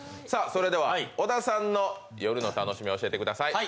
小田さんの夜の楽しみ、教えてください。